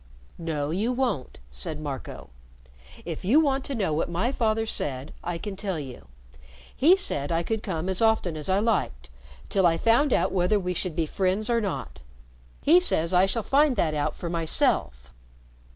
"No, you won't," said Marco. "If you want to know what my father said, I can tell you. He said I could come as often as I liked till I found out whether we should be friends or not. He says I shall find that out for myself."